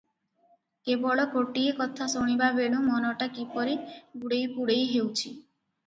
କେବଳ ଗୋଟାଏ କଥା ଶୁଣିବାବେଳୁଁ ମନଟା କିପରି ଗୁଡ଼େଇପୁଡ଼େଇ ହେଉଛି ।